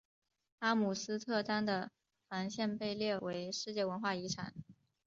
阿姆斯特丹的防线被列为世界文化遗产。